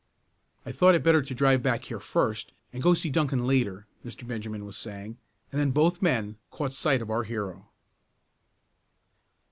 "I thought better to drive back here first, and go see Duncan later," Mr. Benjamin was saying, and then both men caught sight of our hero.